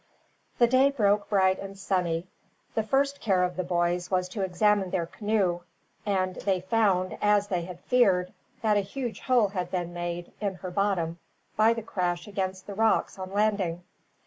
The day broke bright and sunny. The first care of the boys was to examine their canoe; and they found, as they had feared, that a huge hole had been made, in her bottom, by the crash against the rocks on landing.